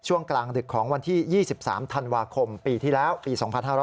กลางดึกของวันที่๒๓ธันวาคมปีที่แล้วปี๒๕๕๙